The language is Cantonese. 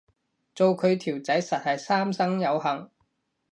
做佢條仔實係三生有幸